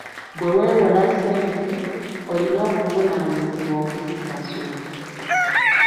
Bwe weewola ssente, olina obuvunaanyizibwa okuzisasula.